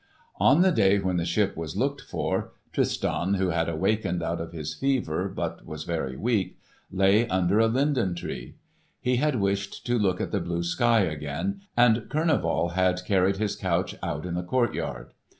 On the day when the ship was looked for, Tristan who had awakened out of his fever, but was very weak, lay under a linden tree. He had wished to look at the blue sky again, and Kurneval had carried his couch out in the courtyard.